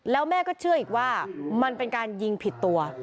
แล้วแม่ก็เชื่ออีกว่ามันเป็นการยิงผิดตัว